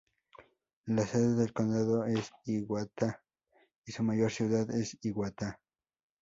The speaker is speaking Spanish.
La sede del condado es Hiawatha, y su mayor ciudad es Hiawatha.